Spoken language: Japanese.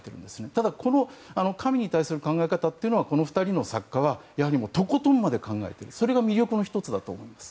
ただ、神に対する考え方はこの２人の作家はやはりとことんまで考えていてそれが魅力の１つだと思います。